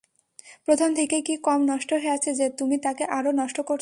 প্রথম থেকেই কি কম নষ্ট হয়ে আছে যে তুমি তাকে আরও নষ্ট করছো?